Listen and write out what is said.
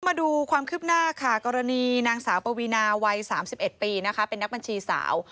มาดูความคืบหน้าค่ะกรณีนางสาวปวีนาวัย๓๑ปีนะคะเป็นนักบัญชีสาว